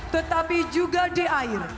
tetapi juga di air